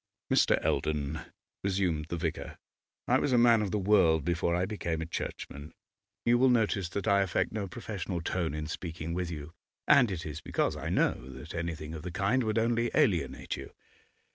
'Mr. Eldon,' resumed the vicar, 'I was a man of the world before I became a Churchman; you will notice that I affect no professional tone in speaking with you, and it is because I know that anything of the kind would only alienate you.